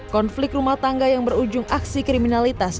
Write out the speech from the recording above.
konflik rumah tangga yang berujung aksi kriminalitas